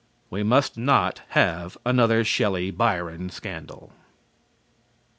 We must not have another Shelley Byron scandal.